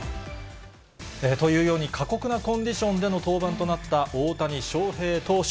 というように、過酷なコンディションでの登板となった大谷翔平投手。